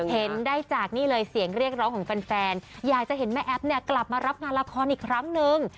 เห็นได้จากนี่เลยเสียงเรียกร้องของแฟนอยากจะเห็นแม่แอ๊บเนี่ยกลับมารับงานละครอีกครั้งนึง